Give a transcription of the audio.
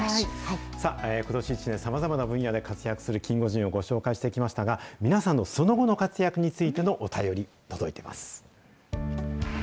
さあ、ことし１年、さまざまな分野で活躍するキンゴジンをご紹介してきましたが、皆さんのその後の活躍についてのお便り届いてます。